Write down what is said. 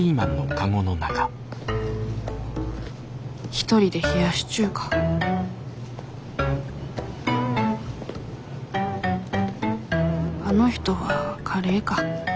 一人で冷やし中華あの人はカレーか。